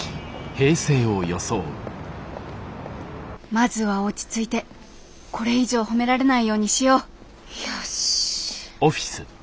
まずは落ち着いてこれ以上褒められないようにしようよし。